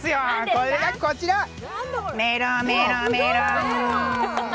それがこちら、メロメロメロン。